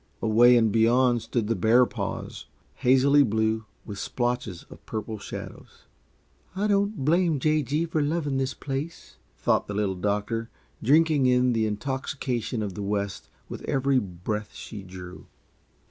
Away and beyond stood the Bear Paws, hazily blue, with splotches of purple shadows. "I don't blame J. G. for loving this place," thought the Little Doctor, drinking in the intoxication of the West with every breath she drew.